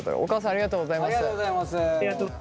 ありがとうございます。